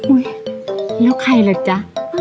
อุ้ยแล้วใครเลยจ๊ะ